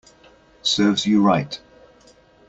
Serves you right